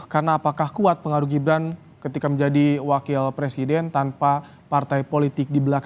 karena apakah kuat pengaruh gibran ketika menjadi wakil presiden tanpa partai politik